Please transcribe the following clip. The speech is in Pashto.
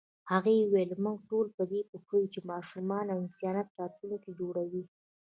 هغې وویل موږ ټول په دې پوهېږو چې ماشومان د انسانیت راتلونکی جوړوي.